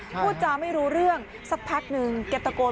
พูดจาไม่รู้เรื่องสักพักนึงแกตะโกน